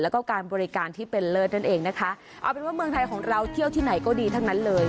แล้วก็การบริการที่เป็นเลิศนั่นเองนะคะเอาเป็นว่าเมืองไทยของเราเที่ยวที่ไหนก็ดีทั้งนั้นเลย